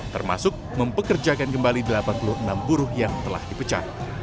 termasuk mempekerjakan kembali delapan puluh enam buruh yang telah dipecah